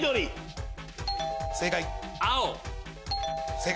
正解。